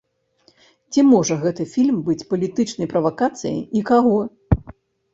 Ці можа гэты фільм быць палітычнай правакацыяй і каго?